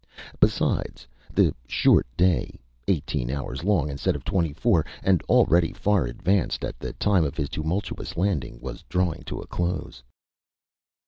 Besides, the short day eighteen hours long instead of twenty four, and already far advanced at the time of his tumultuous landing was drawing to a close.